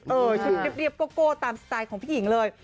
ชุดเรียบโก้ตามสไตล์ของพี่หญิงเลย